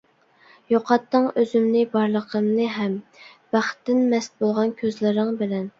يوقاتتىڭ ئۆزۈمنى بارلىقىمنى ھەم، بەختتىن مەست بولغان كۆزلىرىڭ بىلەن.